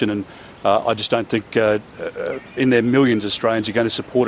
dan saya tidak pikir di dalam miliar orang australia akan mendukungnya